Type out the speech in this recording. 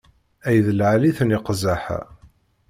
Ay d lεali-ten iqzaḥ-a!